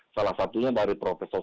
salah satunya dari prof soekarno